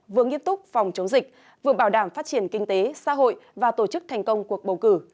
vừa nghiêm túc phòng chống dịch vừa bảo đảm phát triển kinh tế xã hội và tổ chức thành công cuộc bầu cử